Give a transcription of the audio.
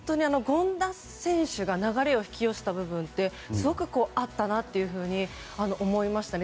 権田選手が流れを引き寄せた部分はすごくあったと思いました。